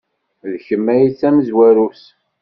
D kemm ay d tamezwarut.